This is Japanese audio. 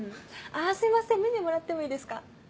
あすいませんメニューもらってもいいですか？